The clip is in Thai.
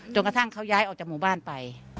กระทั่งเขาย้ายออกจากหมู่บ้านไป